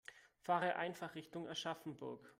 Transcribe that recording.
Fahre einfach Richtung Aschaffenburg